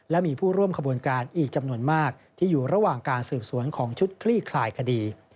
และมีผู้ร่วมขบวนการอีกจำนวนมากที่อยู่ระหว่างการสืบสวนของชุดคลี่คลายคดี